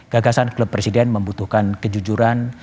gagasan klub presiden membutuhkan kejujuran